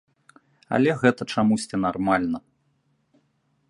Але гэта чамусьці нармальна.